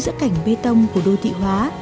giữa cảnh bê tông của đô thị hóa